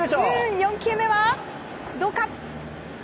４球目はどうか。